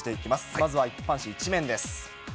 まずは一般紙一面です。